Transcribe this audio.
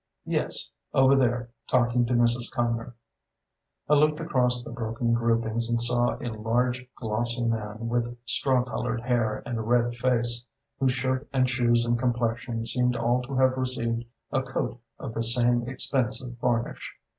"Yes; over there, talking to Mrs. Cumnor." I looked across the broken groupings and saw a large glossy man with straw coloured hair and a red face, whose shirt and shoes and complexion seemed all to have received a coat of the same expensive varnish.